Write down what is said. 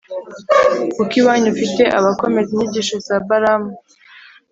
kuko iwanyu ufite abakomeza inyigisho za Balāmu,